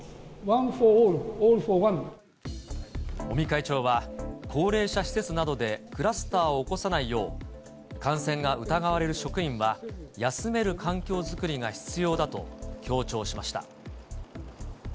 ワン・フォー・オール、尾身会長は、高齢者施設などでクラスターを起こさないよう、感染が疑われる職員は、休める環境作りが必要だと強調しました。